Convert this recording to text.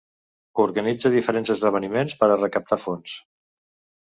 Organitza diferents esdeveniments per a recaptar fons.